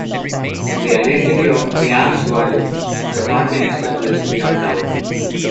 The identity of Piankh's wife has not been established beyond doubt.